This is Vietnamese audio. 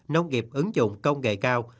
nông nghiệp ứng dụng công nghệ cao